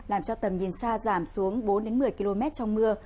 làm cho tầm nhìn xa giảm xuống bốn một mươi km trong mưa